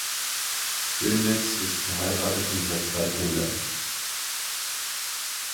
Dönmez ist verheiratet und hat drei Kinder.